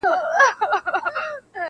ما به کیسه درته کول- راڅخه ورانه سوله-